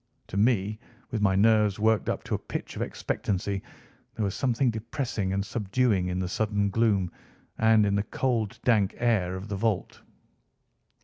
To me, with my nerves worked up to a pitch of expectancy, there was something depressing and subduing in the sudden gloom, and in the cold dank air of the vault.